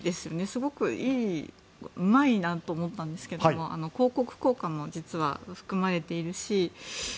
すごくうまいなと思ったんですが広告効果も実は含まれているし